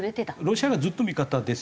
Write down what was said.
ロシアがずっと味方です